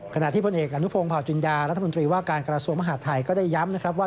ขณะที่บนเอกอนุโพงพจุนดารัฐมนตรีว่าการกรสมมหาทัยก็ได้ย้ำนะครับว่า